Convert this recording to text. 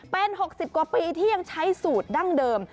เป็น๖๐กว่าปีที่ยังใช้สูตรดั้งเดิม